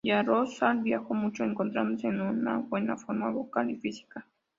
Yaroslav viajó mucho, encontrándose en una buena forma vocal y física.